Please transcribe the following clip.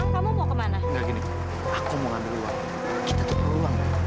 namun tuhan anda membantu